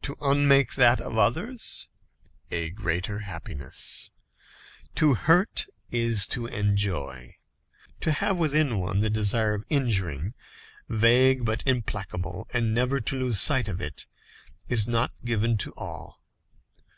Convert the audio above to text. To unmake that of others? A greater happiness. To hurt is to enjoy. To have within one the desire of injuring, vague but implacable, and never to lose sight of it, is not given to all.